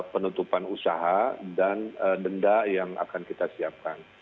penutupan usaha dan denda yang akan kita siapkan